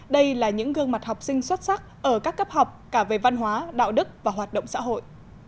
đây là những gương mặt học sinh xuất sắc ở các cấp học cả về văn hóa đạo đức và hoạt động xã hội